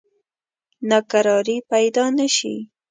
ناکراری پیدا نه شي.